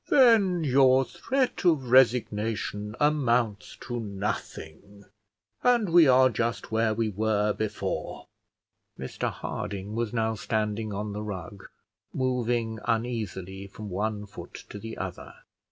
"Then your threat of resignation amounts to nothing, and we are just where we were before." Mr Harding was now standing on the rug, moving uneasily from one foot to the other.